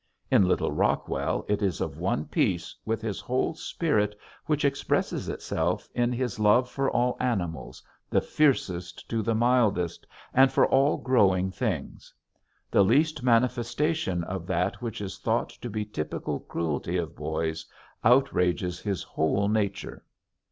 In little Rockwell it is of one piece with his whole spirit which expresses itself in his love for all animals, the fiercest to the mildest, and for all growing things. The least manifestation of that which is thought to be typical cruelty of boys outrages his whole nature.